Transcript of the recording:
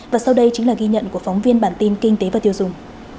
và sau đây chính là ghi nhận của phóng viên bản tin kinh tế và tiêu dùng